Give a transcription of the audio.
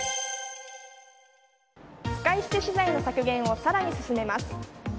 使い捨て資材の削減を更に進めます。